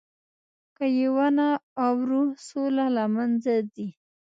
که یې ونه اورو، سوله له منځه ځي.